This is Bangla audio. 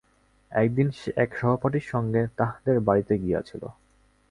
একদিন সে এক সহপাঠীর সঙ্গে তাহদের বাড়িতে গিয়াছিল।